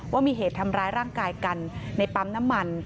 ว่ามีเหตุทำร้ายร่างกายกันในปั๊มน้ำมัน